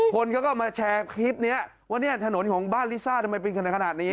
คนเขาก็มาแชร์คลิปนี้ว่าเนี่ยถนนของบ้านลิซ่าทำไมเป็นขนาดนี้